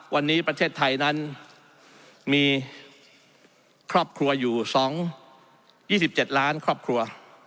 วันนี้ประเทศไทยนั้นมีครอบครัวอยู่๒๗ล้านครอบครัว